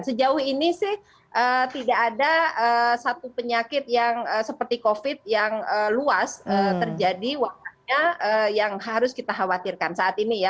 sejauh ini sih tidak ada satu penyakit yang seperti covid yang luas terjadi waktunya yang harus kita khawatirkan saat ini ya